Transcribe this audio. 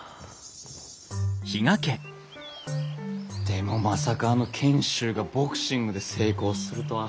でもまさかあの賢秀がボクシングで成功するとは。